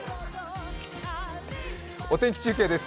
お天気中継です。